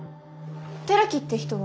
寺木って人は？